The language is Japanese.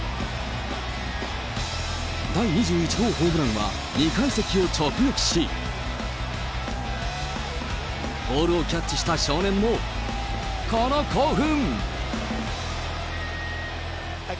第２１号ホームランは、２階席を直撃し、ボールをキャッチした少年も、この興奮！